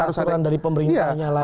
kebalik ke laturan dari pemerintahnya lagi